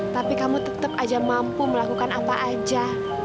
tapi kamu tetap aja mampu melakukan apa aja